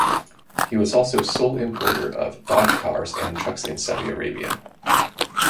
He was also sole importer of Dodge cars and trucks in Saudi Arabia.